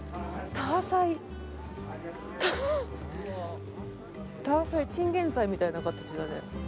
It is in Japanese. タアサイチンゲンサイみたいな形だね。